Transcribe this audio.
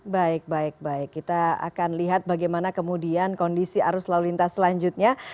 baik baik baik kita akan lihat bagaimana kemudian kondisi arus lalu lintas selanjutnya